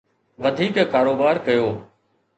وڌيڪ ڪاروبار ڪيو.